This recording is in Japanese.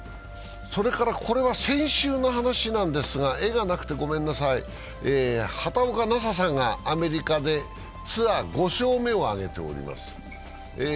これは先週の話なんですが、画がなくてごめんなさい、畑岡奈紗さんがアメリカでツアー５勝目を挙げております。